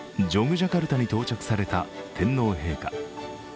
ジャカルタに到着された天皇陛下。